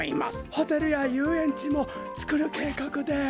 ホテルやゆうえんちもつくるけいかくです！